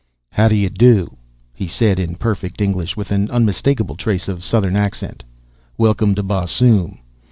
"How do you do?" he said in perfect English, with an unmistakable trace of Southern accent. "Welcome to Barsoom!